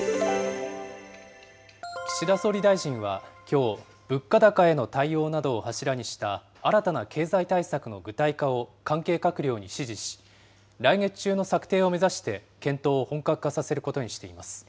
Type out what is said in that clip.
岸田総理大臣はきょう、物価高への対応などを柱にした新たな経済対策の具体化を関係閣僚に指示し、来月中の策定を目指して検討を本格化させることにしています。